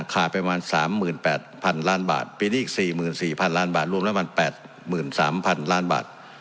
ขาดไปประมาณ๓๘๐๐๐ล้านบาทปีนี้อีก๔๔๐๐ล้านบาทรวมแล้วมัน๘๓๐๐๐ล้านบาท